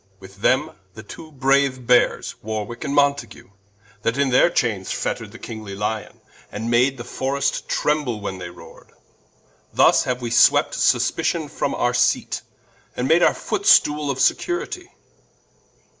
With them, the two braue Beares, Warwick & Montague, That in their Chaines fetter'd the Kingly Lyon, And made the Forrest tremble when they roar'd. Thus haue we swept Suspition from our Seate, And made our Footstoole of Security.